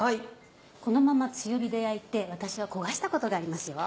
このまま強火で焼いて私は焦がしたことがありますよ。